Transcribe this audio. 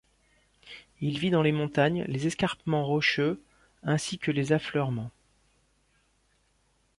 Il vit dans les montagnes, les escarpements rocheux, ainsi que les affleurements.